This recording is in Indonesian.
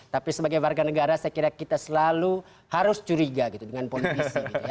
tapi sebagai warga negara saya kira kita selalu harus curiga gitu dengan politisi